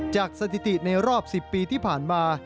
สถิติในรอบ๑๐ปีที่ผ่านมา